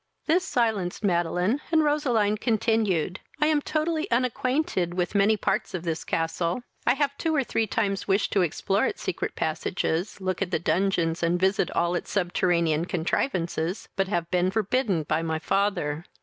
This silenced Madeline, and Roseline continued: "I am totally unacquainted with many parts of this castle. I have two of three times wished to explore its secret passages, look at the dungeons, and visit all its subterranean contrivances, but have been forbidden by my father.